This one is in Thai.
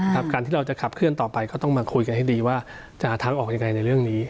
การที่เราจะขับเคลื่อนต่อไปก็ต้องมาคุยกันให้ดีว่าจะหาทางออกยังไงในเรื่องนี้